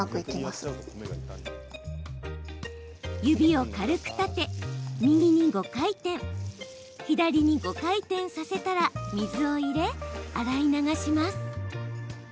指を軽く立て、右に５回転左に５回転させたら水を入れ、洗い流します。